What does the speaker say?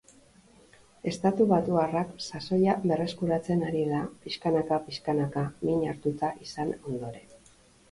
Estatubatuarrak sasoia berreskuratzen ari da pixkanaka-pixkanaka min hartuta izan ondoren.